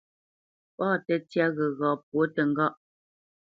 Pâ tə́tyá ghəgha pwǒ təŋgáʼ.